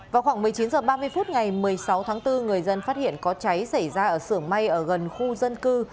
vào khoảng một mươi chín h ba mươi phút ngày một mươi sáu tháng bốn người dân phát hiện có cháy xảy ra ở sưởng mây ở gần khu dân cư